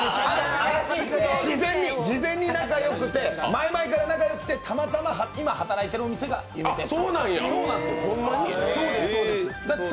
事前に仲良くて、前々から仲良くて、たまたま今、働いているお店が夢鉄砲。